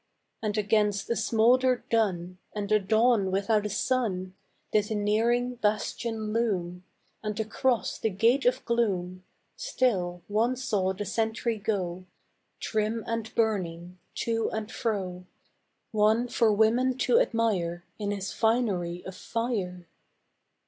And against a smoulder dun And a dawn without a sun Did the nearing bastion loom, And across the gate of gloom Still one saw the sentry go, Trim and burning, to and fro, One for women to admire In his finery of fire.